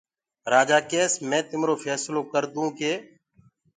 رآجآ ڪيس مي تِمرو ڦيسلو ڪردونٚ ڪي